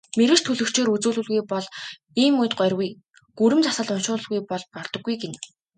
Мэргэч төлгөчөөр үзүүлэлгүй бол ийм үед горьгүй, гүрэм засал уншуулалгүй бол болдоггүй гэнэ.